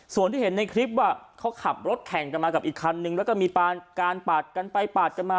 ส่วนที่เห็นในคลิปว่าเขาขับรถแข่งกันมากับอีกคันนึงแล้วก็มีการปาดกันไปปาดกันมา